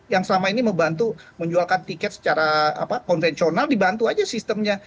yang selama ini membantu menjualkan tiket secara konvensional dibantu aja sistemnya